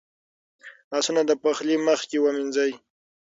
لاسونه د پخلي مخکې ومینځئ.